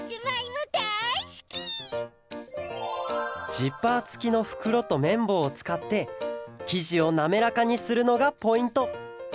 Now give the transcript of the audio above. ジッパーつきのふくろとめんぼうをつかってきじをなめらかにするのがポイント。